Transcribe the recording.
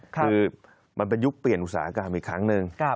คือมันเป็นยุคเปลี่ยนอุตสาหกรรมอีกครั้งหนึ่ง